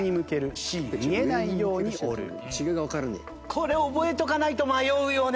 これ覚えとかないと迷うよね。